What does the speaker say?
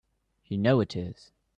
You know it is!